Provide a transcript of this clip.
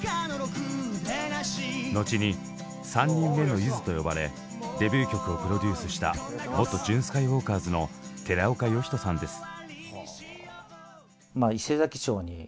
後に「３人目のゆず」と呼ばれデビュー曲をプロデュースした元ＪＵＮＳＫＹＷＡＬＫＥＲの寺岡呼人さんです。